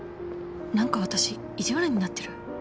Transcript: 何か私意地悪になってる？